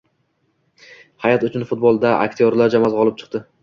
“Hayot uchun futbol!”da aktyorlar jamoasi g‘olib chiqdi